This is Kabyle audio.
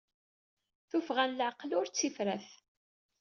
Tuffɣa n leɛqel ur d tifrat.